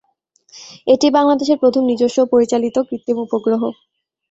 এটিই বাংলাদেশের প্রথম নিজস্ব ও পরিচালিত কৃত্রিম উপগ্রহ।